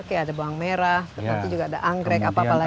oke ada bawang merah nanti juga ada anggrek apa apa lagi